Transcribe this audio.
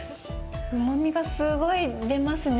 うまみがすごい出ますね。